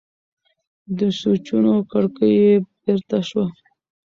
د سوچونو کړکۍ یې بېرته شوه.